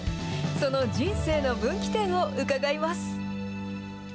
その人生の分岐点を伺います。